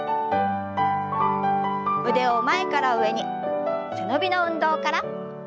腕を前から上に背伸びの運動から。